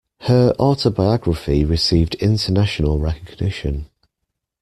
Her autobiography received international recognition.